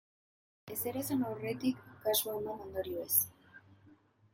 Ezer esan aurretik, kasu eman ondorioez.